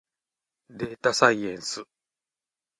でーたさいえんす。